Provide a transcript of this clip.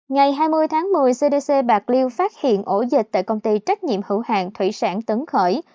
ngày hai mươi tháng một mươi cdc bạc liêu phát hiện ổ dịch tại công ty trách nhiệm hữu hàng thủy sản tấn khởi